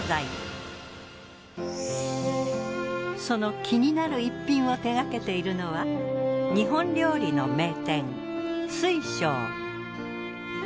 その気になる逸品を手がけているのは日本料理の名店翠祥。